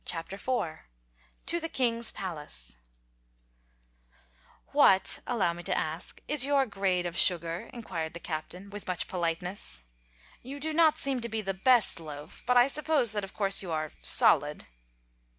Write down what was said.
Chapter IV To the King's Palace "WHAT, allow me to ask, is your grade of sugar?" inquired the Captain, with much politeness. "You do not seem to be the best loaf, but I suppose that of course you are solid."